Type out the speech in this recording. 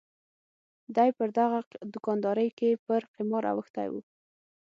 دای پر دغه دوکاندارۍ کې پر قمار اوښتی و.